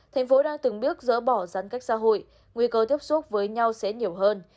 tp hcm đang từng bước dỡ bỏ gián cách xã hội nguy cơ tiếp xúc với nhau sẽ nhiều hơn